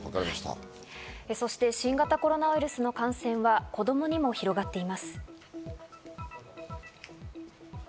そして新型コロナウイルスの感染は子供にも広がっています。